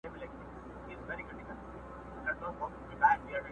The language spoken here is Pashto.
لکه ګل په پرېشانۍ کي مي خندا ده؛